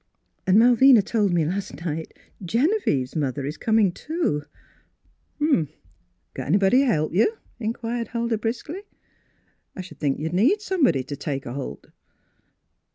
And Malvina told me last night Genevieve's mother is com ing, too." "Got anybody t' help you?" in quired Huldah briskly. " I sh'd think you'd need somebody t' take a holt."